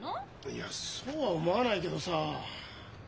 いやそうは思わないけどさ。